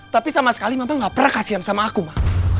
tapi sama sekali mama gak pernah kasihan sama aku mah